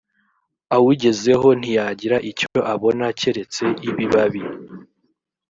awugezeho ntiyagira icyo abona keretse ibibabi